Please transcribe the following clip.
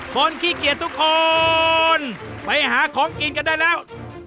ขี้เกียจทุกคนไปหาของกินกันได้แล้ว